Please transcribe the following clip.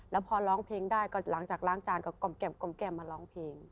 แล้วพอร้องเพลงได้ก็หลังจากล้างจานก็กล่อมมาร้องเพลง